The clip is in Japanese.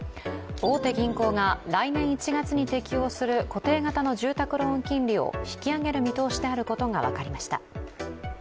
大手銀行が来年１月に適用する固定型の住宅型ローン金利を引き上げる見通しであることが分かりました。